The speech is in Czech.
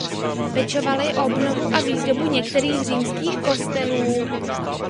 Pečoval i o obnovu a výzdobu některých římských kostelů.